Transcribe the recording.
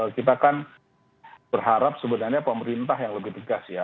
kita kan berharap sebenarnya pemerintah yang lebih tegas ya